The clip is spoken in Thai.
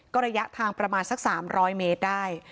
ก็ระยะทางประมาณสัก๓๐๐เมตรได้